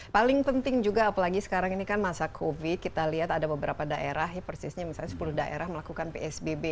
paling penting juga apalagi sekarang ini kan masa covid kita lihat ada beberapa daerah ya persisnya misalnya sepuluh daerah melakukan psbb